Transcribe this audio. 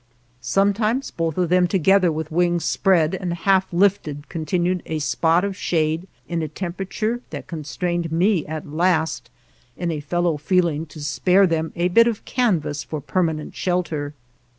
Sometimes both of them together with wings spread and half lifted continued a spot of shade in a temperature that con strained me at last in a fellow feeling to spare them a bit of canvas for permanent shelter.